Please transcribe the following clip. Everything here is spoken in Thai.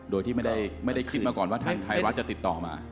โดยที่ไม่ได้คิดมาก่อนว่าทางไทยรัฐจะติดต่อมา